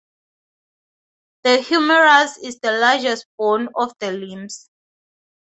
The humerus is the largest bone of the limbs.